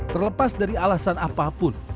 terlepas dari alasan apapun